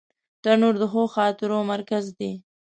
تنور د ښو خاطرو مرکز دی